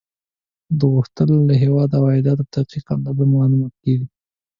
ده غوښتل د هېواد د عایداتو دقیق اندازه معلومه کړي.